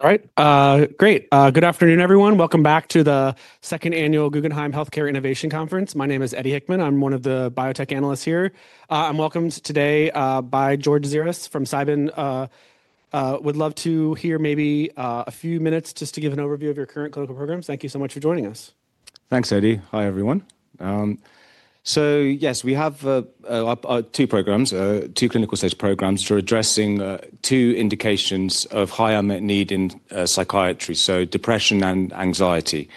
All right. Great. Good afternoon, everyone. Welcome back to the second annual Guggenheim Healthcare Innovation Conference. My name is Eddie Hickman. I'm one of the biotech analysts here. I'm welcomed today by George Tziras from Cybin. Would love to hear maybe a few minutes just to give an overview of your current clinical programs. Thank you so much for joining us. Thanks, Eddie. Hi, everyone. Yes, we have two programs, two clinical stage programs that are addressing two indications of high unmet need in psychiatry. Depression and anxiety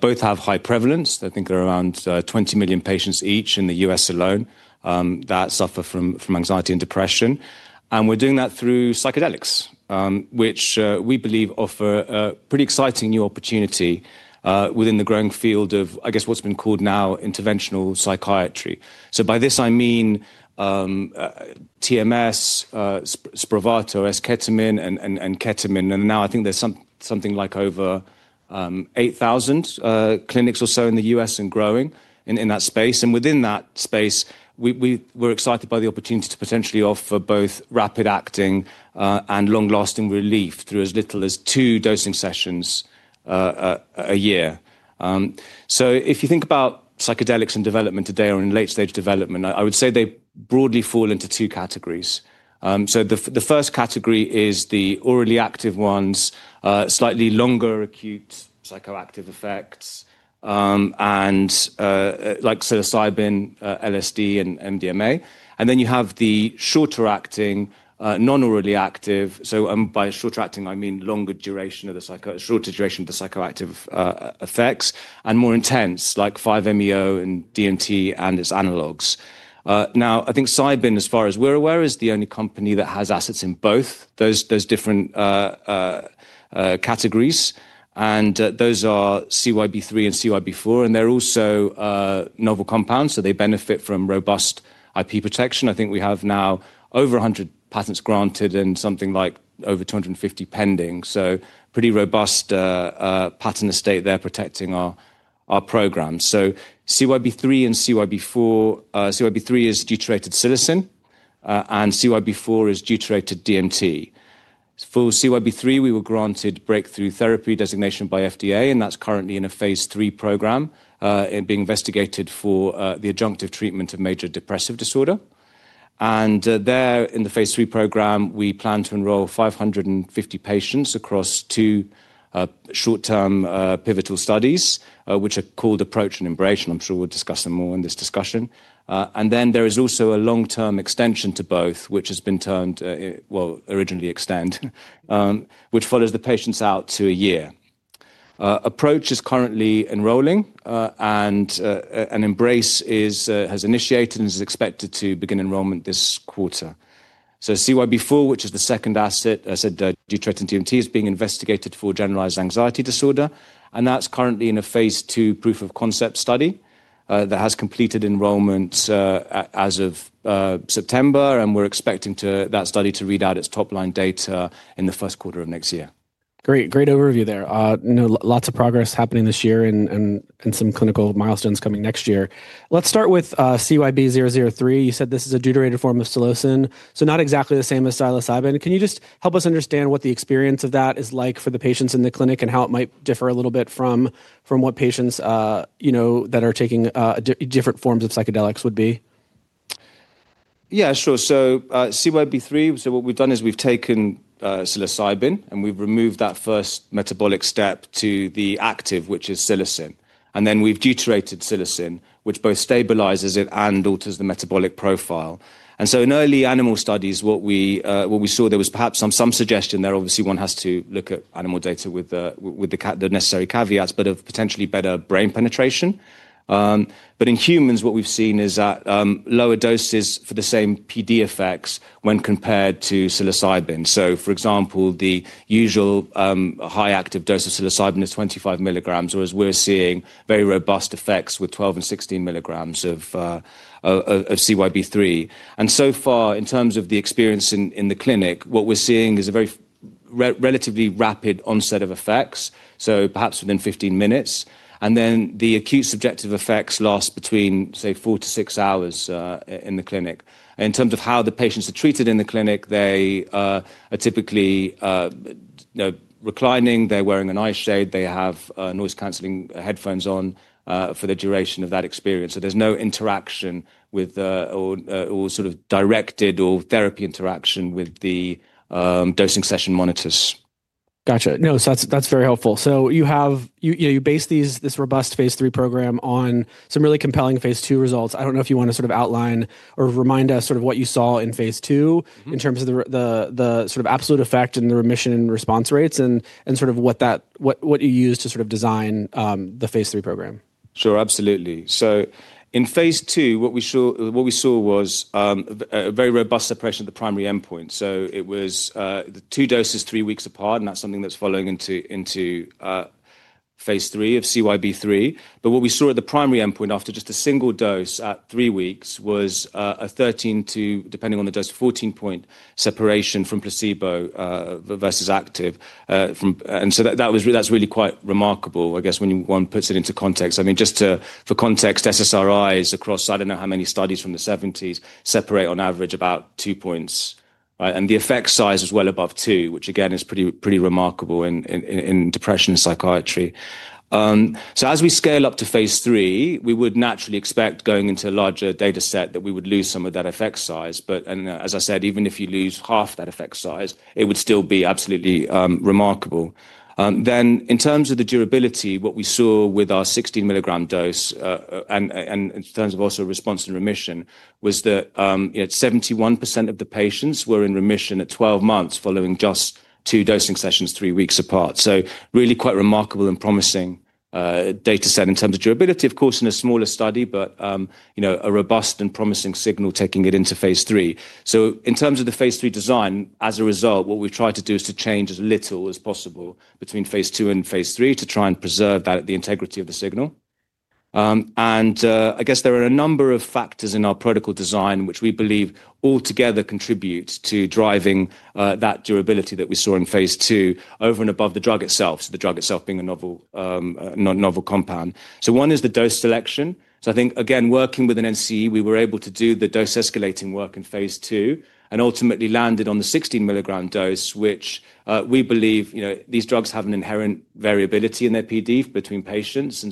both have high prevalence. I think they're around 20 million patients each in the U.S. alone that suffer from anxiety and depression. We're doing that through psychedelics, which we believe offer a pretty exciting new opportunity within the growing field of, I guess, what's been called now interventional psychiatry. By this, I mean TMS, Spravato, and ketamine. I think there's something like over 8,000 clinics or so in the US and growing in that space. Within that space, we're excited by the opportunity to potentially offer both rapid acting and long-lasting relief through as little as two dosing sessions a year. If you think about psychedelics in development today or in late-stage development, I would say they broadly fall into two categories. The first category is the orally active ones, slightly longer acute psychoactive effects, like psilocybin, LSD, and MDMA. Then you have the shorter acting, non-orally active. By shorter acting, I mean longer duration of the psychoactive effects and more intense, like 5-MeO-DMT and DMT and its analogs. I think Cybin, as far as we're aware, is the only company that has assets in both those different categories. Those are CYB003 and CYB004. They're also novel compounds, so they benefit from robust IP protection. I think we have now over 100 patents granted and something like over 250 pending. Pretty robust patent estate there protecting our programs. CYB003 and CYB004, CYB003 is deuterated psilocin, and CYB004 is deuterated DMT. For CYB003, we were granted Breakthrough Therapy Designation by FDA. That is currently in a phase III program. It is being investigated for the adjunctive treatment of major depressive disorder. There in the phase III program, we plan to enroll 550 patients across two short-term pivotal studies, which are called Approach and Embracing. I am sure we will discuss them more in this discussion. There is also a long-term extension to both, which has been termed, originally, Extend, which follows the patients out to a year. Approach is currently enrolling. Embracing has initiated and is expected to begin enrollment this quarter. CYB004, which is the second asset, deuterated DMT, is being investigated for generalized anxiety disorder. That is currently in a phase II proof of concept study that has completed enrollment as of September. We're expecting that study to read out its top line data in the first quarter of next year. Great. Great overview there. Lots of progress happening this year and some clinical milestones coming next year. Let's start with CYB003. You said this is a deuterated form of psilocin. So not exactly the same as psilocybin. Can you just help us understand what the experience of that is like for the patients in the clinic and how it might differ a little bit from what patients that are taking different forms of psychedelics would be? Yeah, sure. So CYB003, so what we've done is we've taken psilocybin and we've removed that first metabolic step to the active, which is psilocin. And then we've deuterated psilocin, which both stabilizes it and alters the metabolic profile. In early animal studies, what we saw, there was perhaps some suggestion there. Obviously, one has to look at animal data with the necessary caveats, but of potentially better brain penetration. In humans, what we've seen is that lower doses for the same PD effects when compared to psilocybin. For example, the usual high active dose of psilocybin is 25 milligrams, whereas we're seeing very robust effects with 12 and 16 milligrams of CYB003. So far, in terms of the experience in the clinic, what we're seeing is a very relatively rapid onset of effects, perhaps within 15 minutes. The acute subjective effects last between, say, four to six hours in the clinic. In terms of how the patients are treated in the clinic, they are typically reclining. They're wearing an eye shade. They have noise-canceling headphones on for the duration of that experience. There's no interaction with or sort of directed or therapy interaction with the dosing session monitors. Gotcha. No, that's very helpful. You base this robust phase III program on some really compelling phase II results. I don't know if you want to sort of outline or remind us sort of what you saw in phase II in terms of the sort of absolute effect and the remission and response rates and sort of what you used to sort of design the phase III program. Sure, absolutely. In phase II, what we saw was a very robust separation of the primary endpoint. It was two doses three weeks apart. That is something that is following into phase III of CYB003. What we saw at the primary endpoint after just a single dose at three weeks was a 13- to, depending on the dose, 14-point separation from placebo versus active. That is really quite remarkable, I guess, when one puts it into context. I mean, just for context, SSRIs across, I do not know how many studies from the 1970s, separate on average about two points. The effect size was well above two, which again is pretty remarkable in depression and psychiatry. As we scale up to phase III, we would naturally expect going into a larger data set that we would lose some of that effect size. As I said, even if you lose half that effect size, it would still be absolutely remarkable. In terms of the durability, what we saw with our 16 milligram dose and in terms of also response and remission was that 71% of the patients were in remission at 12 months following just two dosing sessions three weeks apart. Really quite remarkable and promising data set in terms of durability, of course, in a smaller study, but a robust and promising signal taking it into phase III. In terms of the phase II design, as a result, what we've tried to do is to change as little as possible between phase II and phase III to try and preserve that integrity of the signal. There are a number of factors in our protocol design, which we believe altogether contribute to driving that durability that we saw in phase II over and above the drug itself. The drug itself is a novel compound. One is the dose selection. I think, again, working with an NCE, we were able to do the dose escalating work in phase II and ultimately landed on the 16 milligram dose, which we believe these drugs have an inherent variability in their PD between patients.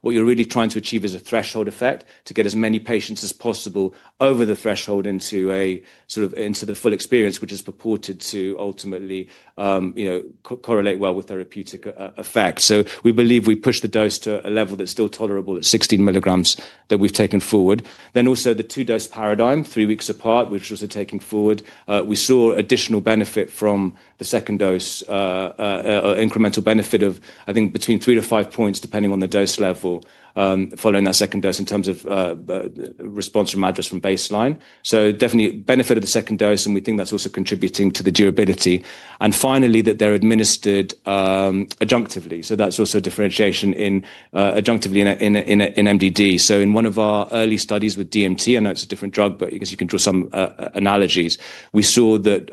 What you're really trying to achieve is a threshold effect to get as many patients as possible over the threshold into the full experience, which is purported to ultimately correlate well with therapeutic effects. We believe we pushed the dose to a level that's still tolerable at 16 milligrams that we've taken forward. The two-dose paradigm, three weeks apart, which we're also taking forward, we saw additional benefit from the second dose, incremental benefit of, I think, between three to five points, depending on the dose level, following that second dose in terms of response from baseline. Definitely benefit of the second dose. We think that's also contributing to the durability. Finally, that they're administered adjunctively. That's also differentiation adjunctively in MDD. In one of our early studies with DMT, I know it's a different drug, but you can draw some analogies, we saw that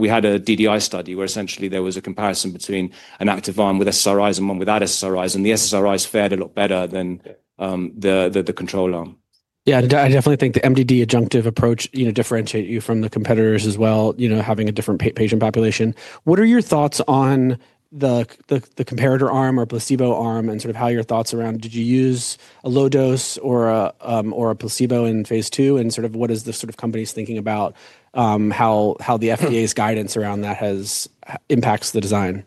we had a DDI study where essentially there was a comparison between an active arm with SSRIs and one without SSRIs. The SSRIs fared a lot better than the control arm. Yeah, I definitely think the MDD adjunctive approach differentiated you from the competitors as well, having a different patient population. What are your thoughts on the comparator arm or placebo arm and sort of how your thoughts around, did you use a low dose or a placebo in phase II? And sort of what is the sort of company's thinking about how the FDA's guidance around that impacts the design?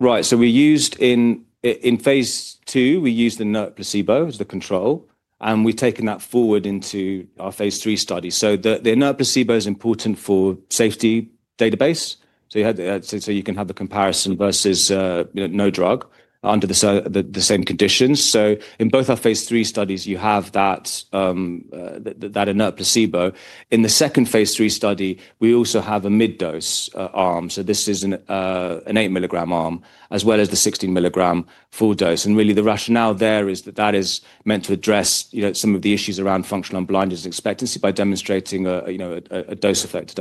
Right. In phase II, we used the placebo as the control. We've taken that forward into our phase III studies. The placebo is important for safety database, so you can have the comparison versus no drug under the same conditions. In both our phase III studies, you have that placebo. In the second phase III study, we also have a mid-dose arm. This is an 8 milligram arm, as well as the 16 milligram full dose. Really, the rationale there is that that is meant to address some of the issues around functional unblinding and expectancy by demonstrating a dose effect.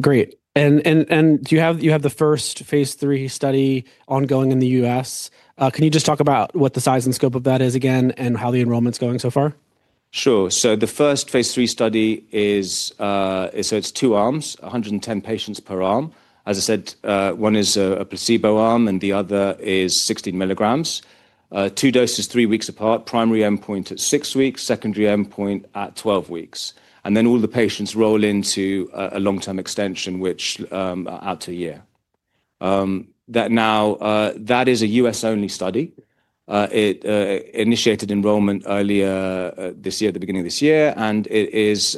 Great. You have the first phase III study ongoing in the U.S. Can you just talk about what the size and scope of that is again and how the enrollment's going so far? Sure. The first phase III study is, it is two arms, 110 patients per arm. As I said, one is a placebo arm and the other is 16 milligrams. Two doses three weeks apart, primary endpoint at six weeks, secondary endpoint at 12 weeks. All the patients roll into a long-term extension, which are out to a year. That is a U.S.-only study. It initiated enrollment earlier this year, at the beginning of this year. It is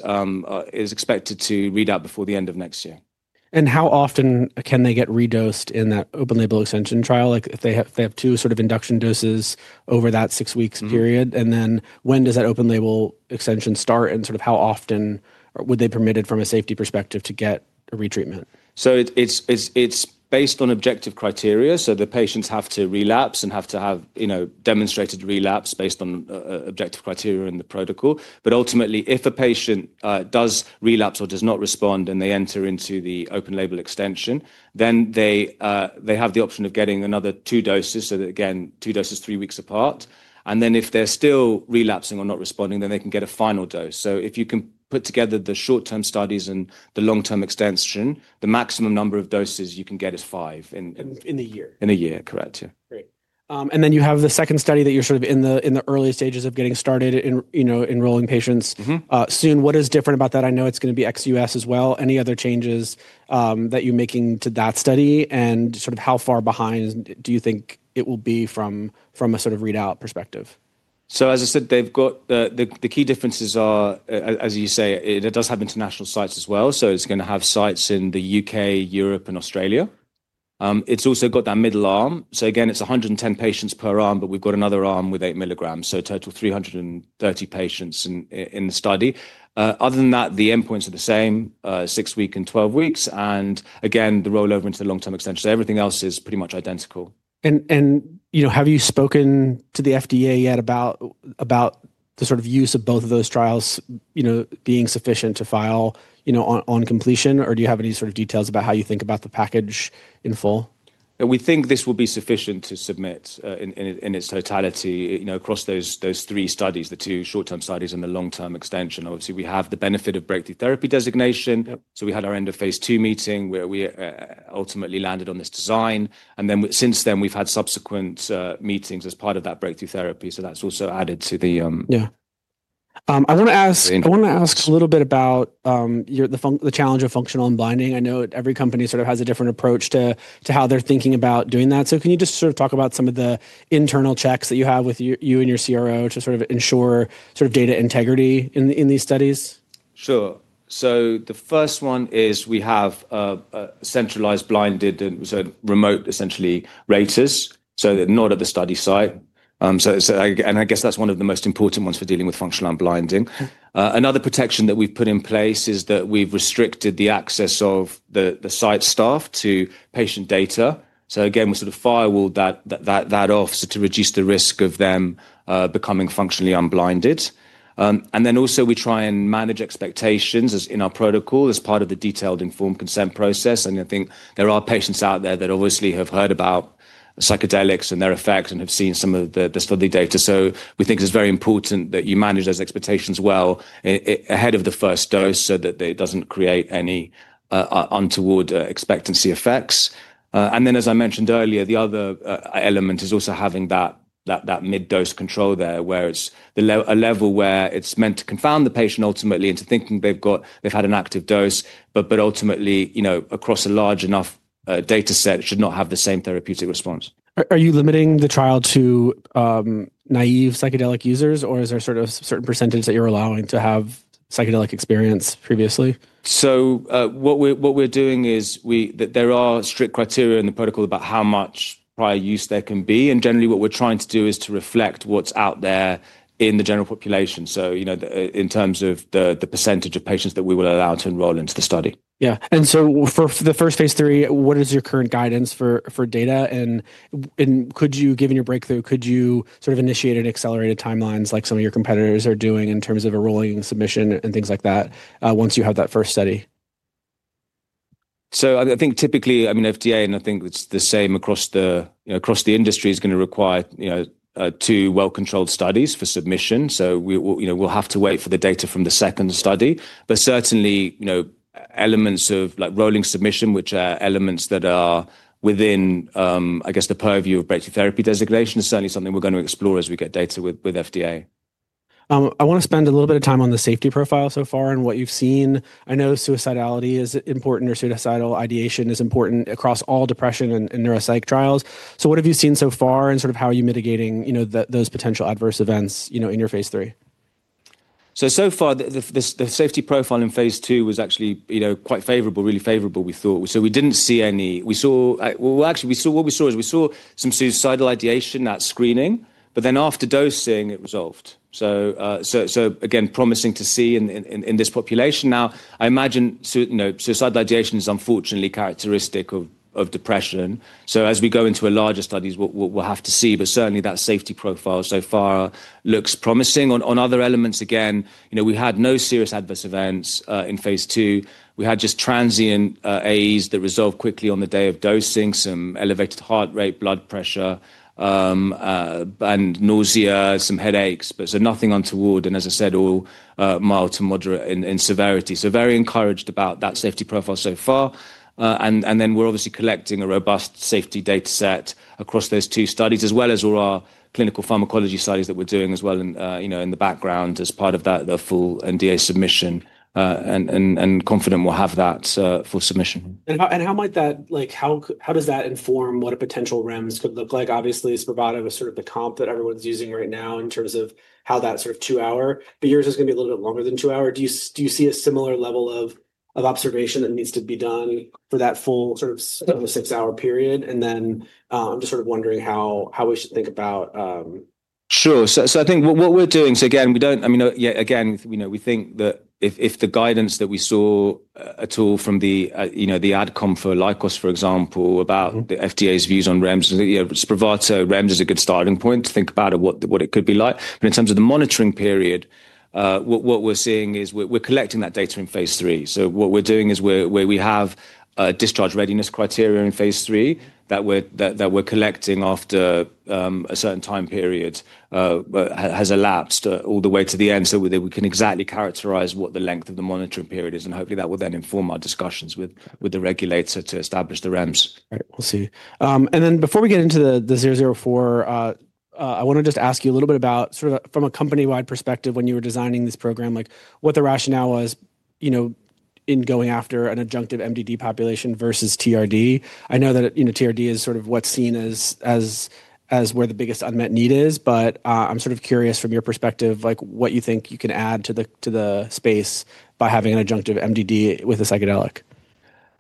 expected to read out before the end of next year. How often can they get redosed in that open label extension trial? They have two sort of induction doses over that six-week period. When does that open label extension start? How often would they be permitted from a safety perspective to get a retreatment? It's based on objective criteria. The patients have to relapse and have to have demonstrated relapse based on objective criteria in the protocol. Ultimately, if a patient does relapse or does not respond and they enter into the open label extension, they have the option of getting another two doses. Again, two doses three weeks apart. If they're still relapsing or not responding, they can get a final dose. If you put together the short-term studies and the long-term extension, the maximum number of doses you can get is five. In a year. In a year, correct. Yeah. Great. You have the second study that you're sort of in the early stages of getting started in enrolling patients soon. What is different about that? I know it's going to be XUS as well. Any other changes that you're making to that study? How far behind do you think it will be from a sort of readout perspective? As I said, the key differences are, as you say, it does have international sites as well. It is going to have sites in the U.K., Europe, and Australia. It has also got that middle arm. Again, it is 110 patients per arm, but we have another arm with 8 milligrams. A total of 330 patients in the study. Other than that, the endpoints are the same, six weeks and 12 weeks. Again, the rollover into the long-term extension. Everything else is pretty much identical. Have you spoken to the FDA yet about the sort of use of both of those trials being sufficient to file on completion? Or do you have any sort of details about how you think about the package in full? We think this will be sufficient to submit in its totality across those three studies, the two short-term studies and the long-term extension. Obviously, we have the benefit of Breakthrough Therapy Designation. We had our end of phase II meeting where we ultimately landed on this design. Since then, we've had subsequent meetings as part of that Breakthrough Therapy. That has also added to the. Yeah. I want to ask a little bit about the challenge of functional unblinding. I know every company sort of has a different approach to how they're thinking about doing that. Can you just sort of talk about some of the internal checks that you have with you and your CRO to sort of ensure data integrity in these studies? Sure. The first one is we have centralized, blinded, and remote essentially ratings. They are not at the study site. I guess that is one of the most important ones for dealing with functional unblinding. Another protection that we have put in place is that we have restricted the access of the site staff to patient data. We sort of firewalled that off to reduce the risk of them becoming functionally unblinded. We also try and manage expectations in our protocol as part of the detailed informed consent process. I think there are patients out there that obviously have heard about psychedelics and their effects and have seen some of the study data. We think it is very important that you manage those expectations well ahead of the first dose so that it does not create any untoward expectancy effects. As I mentioned earlier, the other element is also having that mid-dose control there, where it's a level where it's meant to confound the patient ultimately into thinking they've had an active dose, but ultimately, across a large enough data set, it should not have the same therapeutic response. Are you limiting the trial to naive psychedelic users? Or is there sort of a certain percentage that you're allowing to have psychedelic experience previously? What we're doing is there are strict criteria in the protocol about how much prior use there can be. Generally, what we're trying to do is to reflect what's out there in the general population, so in terms of the percentage of patients that we will allow to enroll into the study. Yeah. For the first phase III, what is your current guidance for data? Given your breakthrough, could you sort of initiate accelerated timelines like some of your competitors are doing in terms of enrolling, submission, and things like that once you have that first study? I think typically, I mean, FDA, and I think it's the same across the industry, is going to require two well-controlled studies for submission. We'll have to wait for the data from the second study. Certainly, elements of rolling submission, which are elements that are within, I guess, the purview of Breakthrough Therapy Designation, is certainly something we're going to explore as we get data with FDA. I want to spend a little bit of time on the safety profile so far and what you've seen. I know suicidality is important or suicidal ideation is important across all depression and neuropsych trials. What have you seen so far and sort of how are you mitigating those potential adverse events in your phase III? So far, the safety profile in phase II was actually quite favorable, really favorable, we thought. We did not see any, well, actually, what we saw is we saw some suicidal ideation at screening. After dosing, it resolved. Again, promising to see in this population. I imagine suicidal ideation is unfortunately characteristic of depression. As we go into larger studies, we will have to see. Certainly, that safety profile so far looks promising. On other elements, again, we had no serious adverse events in phase II. We had just transient AEs that resolved quickly on the day of dosing, some elevated heart rate, blood pressure, and nausea, some headaches. Nothing untoward. As I said, all mild to moderate in severity. Very encouraged about that safety profile so far. We're obviously collecting a robust safety data set across those two studies, as well as all our clinical pharmacology studies that we're doing as well in the background as part of that full NDA submission. Confident we'll have that for submission. How does that inform what a potential REMS could look like? Obviously, it's provided with sort of the comp that everyone's using right now in terms of how that sort of two-hour, but yours is going to be a little bit longer than two-hour. Do you see a similar level of observation that needs to be done for that full sort of six-hour period? I'm just sort of wondering how we should think about. Sure. I think what we're doing, I mean, we think that if the guidance that we saw at all from the adcomm for Lykos, for example, about the FDA's views on REMS, it's provided. REMS is a good starting point to think about what it could be like. In terms of the monitoring period, what we're seeing is we're collecting that data in phase III. What we're doing is we have a discharge readiness criteria in phase III that we're collecting after a certain time period has elapsed all the way to the end so that we can exactly characterize what the length of the monitoring period is. Hopefully, that will then inform our discussions with the regulator to establish the REMS. Right. We'll see. Before we get into the 004, I want to just ask you a little bit about sort of from a company-wide perspective when you were designing this program, what the rationale was in going after an adjunctive MDD population versus TRD. I know that TRD is sort of what's seen as where the biggest unmet need is. I'm sort of curious from your perspective what you think you can add to the space by having an adjunctive MDD with a psychedelic.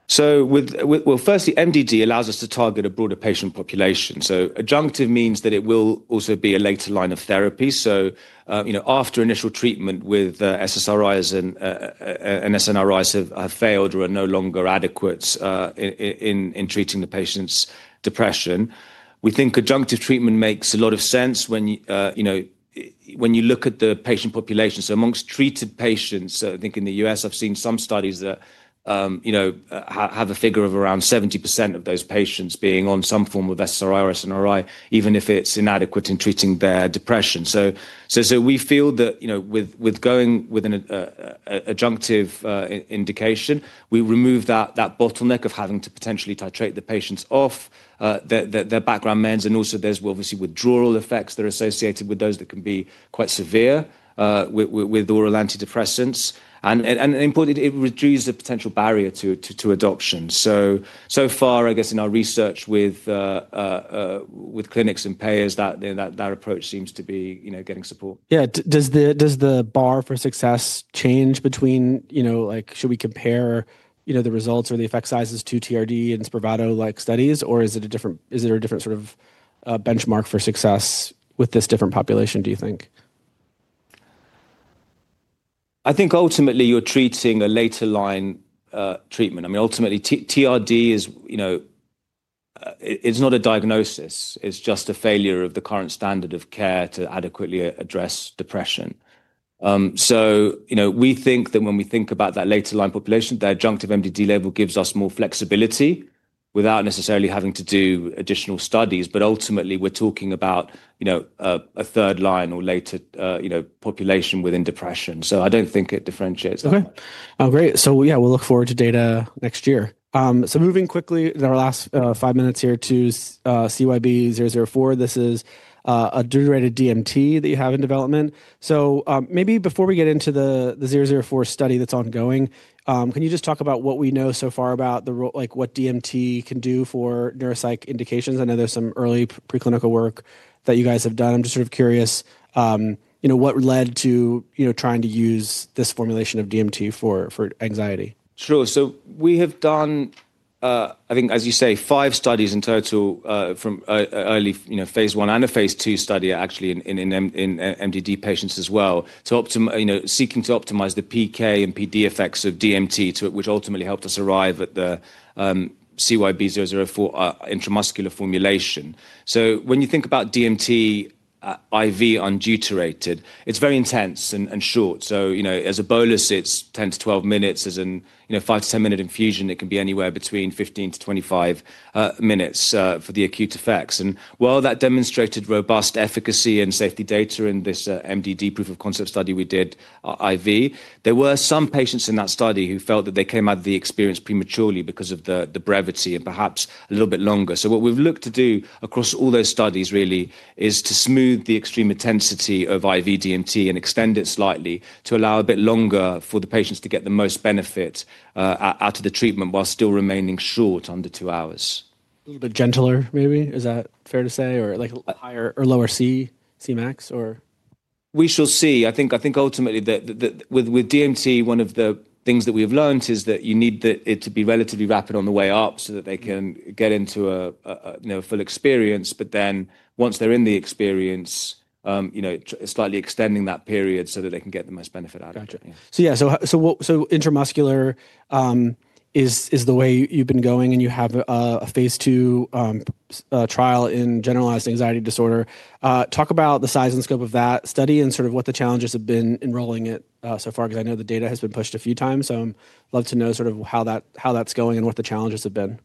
Firstly, MDD allows us to target a broader patient population. Adjunctive means that it will also be a later line of therapy. After initial treatment with SSRIs and SNRIs have failed or are no longer adequate in treating the patient's depression, we think adjunctive treatment makes a lot of sense when you look at the patient population. Amongst treated patients, I think in the U.S., I've seen some studies that have a figure of around 70% of those patients being on some form of SSRI or SNRI, even if it's inadequate in treating their depression. We feel that with going with an adjunctive indication, we remove that bottleneck of having to potentially titrate the patients off their background meds. Also, there are obviously withdrawal effects that are associated with those that can be quite severe with oral antidepressants. It reduces the potential barrier to adoption. So far, I guess in our research with clinics and payers, that approach seems to be getting support. Yeah. Does the bar for success change between should we compare the results or the effect sizes to TRD and Spravato-like studies? Or is there a different sort of benchmark for success with this different population, do you think? I think ultimately, you're treating a later line treatment. I mean, ultimately, TRD, it's not a diagnosis. It's just a failure of the current standard of care to adequately address depression. We think that when we think about that later line population, the adjunctive MDD level gives us more flexibility without necessarily having to do additional studies. Ultimately, we're talking about a third line or later population within depression. I don't think it differentiates. Okay. Great. Yeah, we'll look forward to data next year. Moving quickly, in our last five minutes here to CYB004, this is a derivative DMT that you have in development. Maybe before we get into the 004 study that's ongoing, can you just talk about what we know so far about what DMT can do for neuropsych indications? I know there's some early preclinical work that you guys have done. I'm just sort of curious what led to trying to use this formulation of DMT for anxiety. Sure. We have done, I think, as you say, five studies in total from early phase I and phase II study, actually, in MDD patients as well, seeking to optimize the PK and PD effects of DMT, which ultimately helped us arrive at the CYB004 intramuscular formulation. When you think about DMT IV unduterated, it's very intense and short. As a bolus, it's 10-12 minutes. As a 5-10 minute infusion, it can be anywhere between 15-25 minutes for the acute effects. While that demonstrated robust efficacy and safety data in this MDD proof of concept study we did IV, there were some patients in that study who felt that they came out of the experience prematurely because of the brevity and perhaps a little bit longer. What we've looked to do across all those studies, really, is to smooth the extreme intensity of IV DMT and extend it slightly to allow a bit longer for the patients to get the most benefit out of the treatment while still remaining short under two hours. A little bit gentler, maybe? Is that fair to say? Or higher or lower Cmax, or? We shall see. I think ultimately, with DMT, one of the things that we have learned is that you need it to be relatively rapid on the way up so that they can get into a full experience. Then once they're in the experience, slightly extending that period so that they can get the most benefit out of it. Gotcha. So yeah, intramuscular is the way you've been going. And you have a phase II trial in generalized anxiety disorder. Talk about the size and scope of that study and sort of what the challenges have been enrolling it so far, because I know the data has been pushed a few times. So I'd love to know sort of how that's going and what the challenges have been.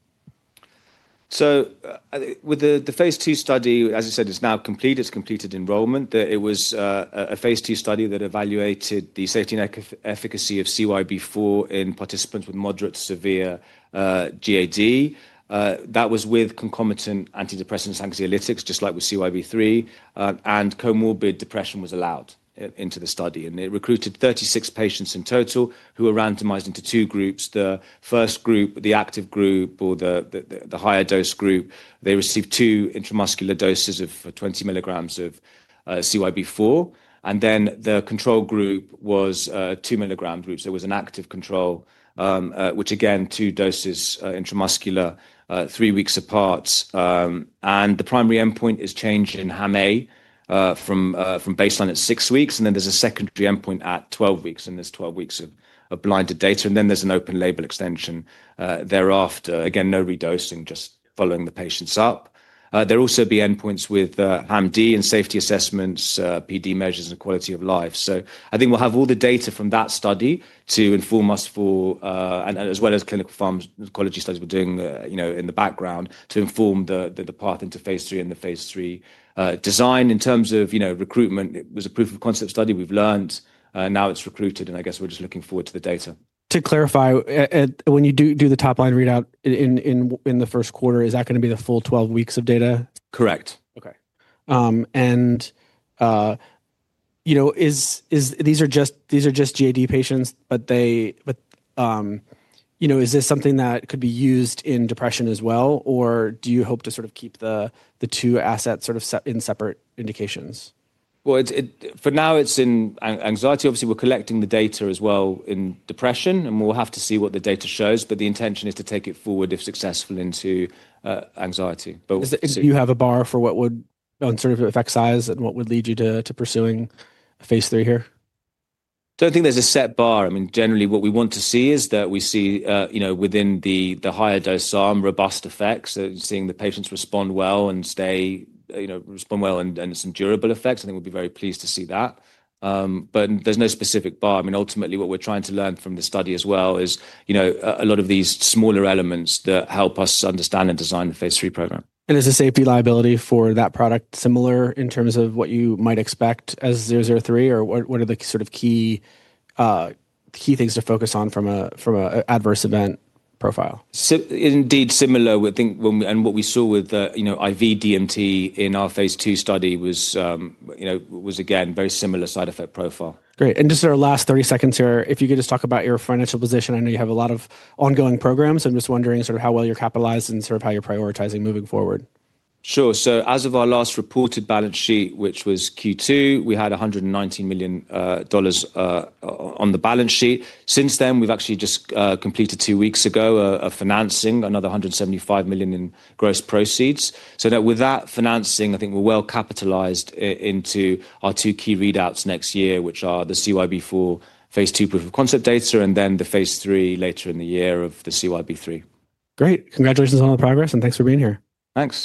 With the phase II study, as I said, it's now complete. It's completed enrollment. It was a phase II study that evaluated the safety and efficacy of CYB004 in participants with moderate to severe GAD. That was with concomitant antidepressants and anxiolytics, just like with CYB003. Comorbid depression was allowed into the study. It recruited 36 patients in total who were randomized into two groups. The first group, the active group or the higher dose group, received two intramuscular doses of 20 milligrams of CYB004. The control group was 2 milligrams. It was an active control, which again, two doses intramuscular three weeks apart. The primary endpoint is change in HamA from baseline at six weeks. There's a secondary endpoint at 12 weeks. There's 12 weeks of blinded data. There is an open label extension thereafter. Again, no redosing, just following the patients up. There will also be endpoints with HamD and safety assessments, PD measures, and quality of life. I think we'll have all the data from that study to inform us for, as well as clinical pharmacology studies we're doing in the background, to inform the path into phase II and the phase III design. In terms of recruitment, it was a proof of concept study. We've learned. Now it's recruited. I guess we're just looking forward to the data. To clarify, when you do the top line readout in the first quarter, is that going to be the full 12 weeks of data? Correct. Okay. These are just GAD patients, but is this something that could be used in depression as well? Or do you hope to sort of keep the two assets sort of in separate indications? For now, it's in anxiety. Obviously, we're collecting the data as well in depression. We'll have to see what the data shows. The intention is to take it forward, if successful, into anxiety. Do you have a bar for what would on sort of effect size and what would lead you to pursuing phase III here? I don't think there's a set bar. I mean, generally, what we want to see is that we see within the higher dose arm, robust effects, seeing the patients respond well and some durable effects. I think we'll be very pleased to see that. There's no specific bar. Ultimately, what we're trying to learn from the study as well is a lot of these smaller elements that help us understand and design the phase III program. Is the safety liability for that product similar in terms of what you might expect as 003? Or what are the sort of key things to focus on from an adverse event profile? Indeed, similar. What we saw with IV DMT in our phase II study was, again, a very similar side effect profile. Great. Just our last 30 seconds here, if you could just talk about your financial position. I know you have a lot of ongoing programs. I'm just wondering sort of how well you're capitalized and sort of how you're prioritizing moving forward. Sure. As of our last reported balance sheet, which was Q2, we had $119 million on the balance sheet. Since then, we've actually just completed two weeks ago financing another $175 million in gross proceeds. With that financing, I think we're well capitalized into our two key readouts next year, which are the CYB004 phase II proof of concept data and then the phase III later in the year of the CYB003. Great. Congratulations on the progress. Thanks for being here. Thanks.